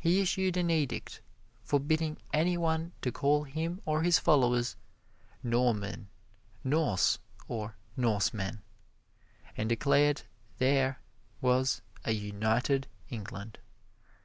He issued an edict forbidding any one to call him or his followers "Norman," "Norse" or "Norsemen," and declared there was a United England.